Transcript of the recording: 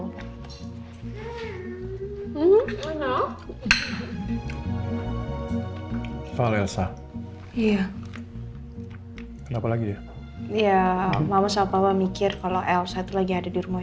iya kenapa lagi ya iya mama sama papa mikir kalau elsa itu lagi ada di rumah